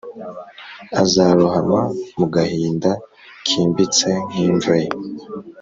azarohama mu gahinda kimbitse nk'imva ye